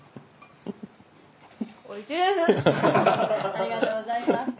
ありがとうございます。